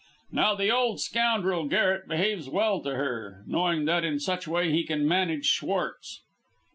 Now the old scoundrel, Garret, behaves well to her, knowing that in such way he can manage Schwartz."